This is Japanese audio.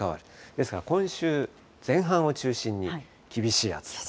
ですから今週前半を中心に、厳しい暑さと。